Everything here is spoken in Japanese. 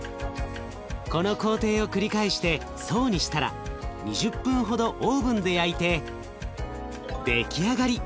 この工程を繰り返して層にしたら２０分ほどオーブンで焼いて出来上がり。